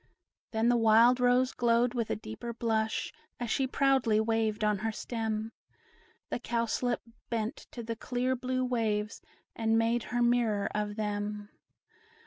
Then the wild rose glowed with a deeper blush, As she proudly waved on her stem; The Cowslip bent to the clear blue waves, And made her mirror of them.